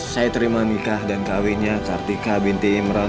saya terima nikah dan kawinnya kartika binti imran